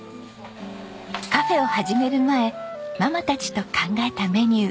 カフェを始める前ママたちと考えたメニュー。